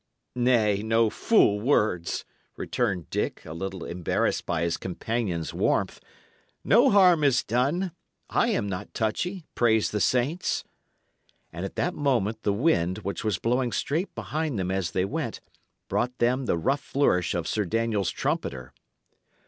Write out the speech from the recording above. "Nay, no fool words," returned Dick, a little embarrassed by his companion's warmth. "No harm is done. I am not touchy, praise the saints." And at that moment the wind, which was blowing straight behind them as they went, brought them the rough flourish of Sir Daniel's trumpeter.